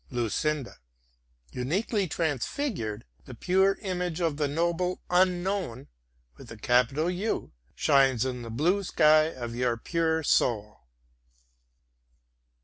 LUCINDA Uniquely transfigured, the pure image of the noble Unknown shines in the blue sky of your pure soul.